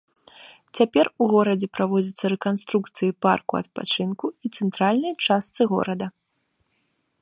Цяпер у горадзе праводзіцца рэканструкцыі парку адпачынку і цэнтральнай частцы горада.